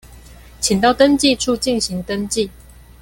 請到登記處進行登記